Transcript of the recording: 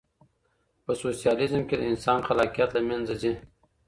په سوسیالیزم کي د انسان خلاقیت له منځه ځي.